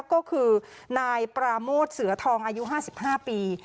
ก็คือนายปราโมทเสือทองอายุ๕๕ปี